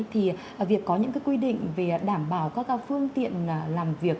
thì việc có những quy định về đảm bảo các phương tiện làm việc